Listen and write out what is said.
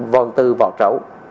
vòng từ vỏ trấu